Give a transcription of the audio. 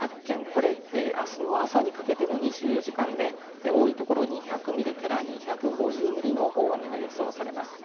これあすの朝にかけての２４時間で多い所２００ミリから２５０ミリの大雨が予想されます。